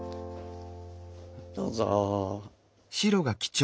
どうぞ。